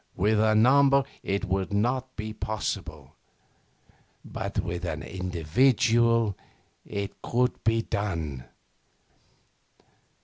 'With a number it would not be possible, but with an individual it could be done.